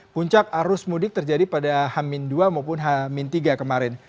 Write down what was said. puncak arus mudik terjadi pada hamin dua maupun h tiga kemarin